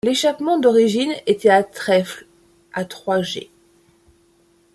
L'échappement d'origine était à trèfle à trois jets.